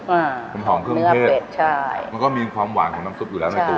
อืมมันหอมเครื่องเทศใช่มันก็มีความหวานของน้ำซุปอยู่แล้วในตัว